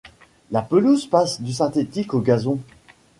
La pelouse passe du synthétique au gazon.